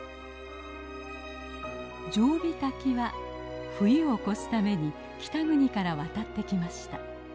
ジョウビタキは冬を越すために北国から渡ってきました。